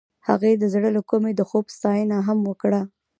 هغې د زړه له کومې د خوب ستاینه هم وکړه.